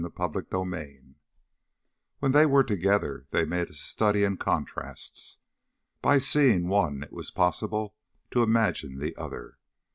CHAPTER 11 When they were together, they made a study in contrasts. By seeing one it was possible to imagine the other.